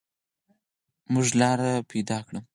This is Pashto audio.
مونږ لاره مومو